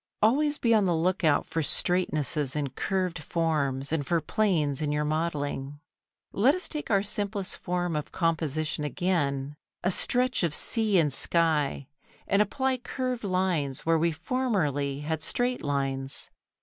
#Always be on the look out for straightnesses in curved forms and for planes in your modelling.# Let us take our simplest form of composition again, a stretch of sea and sky, and apply curved lines where we formerly had straight lines.